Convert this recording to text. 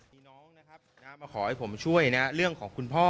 มีน้องนะครับมาขอให้ผมช่วยนะเรื่องของคุณพ่อ